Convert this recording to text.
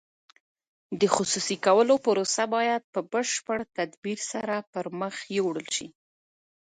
د خصوصي کولو پروسه باید په بشپړ تدبیر سره پرمخ یوړل شي.